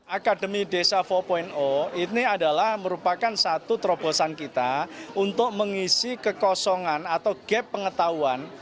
akademi desa empat ini adalah merupakan satu terobosan kita untuk mengisi kekosongan atau gap pengetahuan